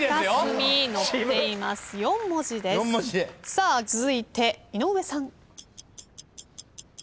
さあ続いて井上さん。